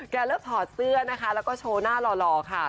เริ่มถอดเสื้อนะคะแล้วก็โชว์หน้าหล่อค่ะ